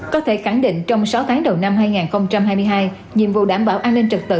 có thể khẳng định trong sáu tháng đầu năm hai nghìn hai mươi hai nhiệm vụ đảm bảo an ninh trật tự